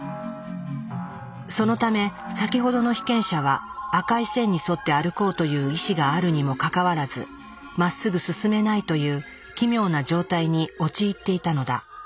そのため先ほどの被験者は赤い線に沿って歩こうという意志があるにもかかわらずまっすぐ進めないという奇妙な状態に陥っていたのだ。